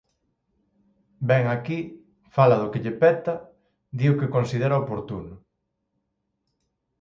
Vén aquí, fala do que lle peta, di o que considera oportuno.